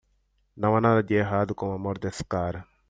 Não há nada de errado com o amor desse cara.